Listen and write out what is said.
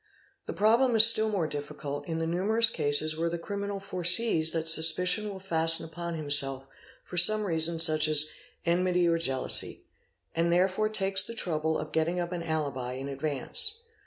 The problem is still more difficult in the numerous cases where the criminal foresees that suspicion will fasten upon himself for some reason such as enmity or jealousy, and therefore takes the trouble of getting up an alibi in advance.